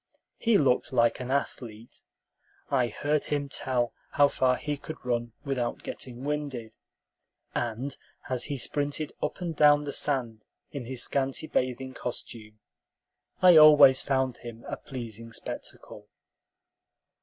He looked like an athlete; I heard him tell how far he could run without getting "winded;" and as he sprinted up and down the sand in his scanty bathing costume, I always found him a pleasing spectacle.